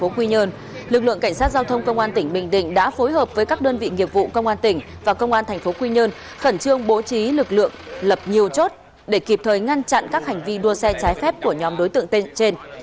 vào lúc hai giờ sáng nay lực lượng cảnh sát giao thông công an tỉnh bình định đã phối hợp với các đơn vị nghiệp vụ công an tỉnh và công an tp quy nhơn khẩn trương bố trí lực lượng lập nhiều chốt để kịp thời ngăn chặn các hành vi đua xe trái phép của nhóm đối tượng trên